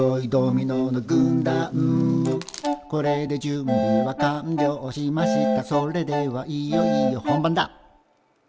「これで準備は完了しましたそれではいよいよ本番だ」